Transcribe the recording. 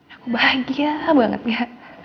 aku bahagia banget ya